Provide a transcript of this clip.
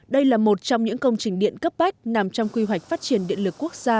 đây là một trong những công trình điện cấp bách nằm trong quy hoạch phát triển điện lực quốc gia